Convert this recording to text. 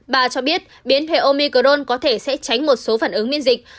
bà cho biết biến thể omicron có thể sẽ tránh một số phản ứng miễn dịch